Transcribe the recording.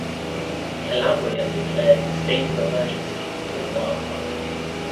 Calabria declared the state of emergency for the wildfire.